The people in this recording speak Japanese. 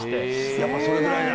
やっぱそれぐらいだ。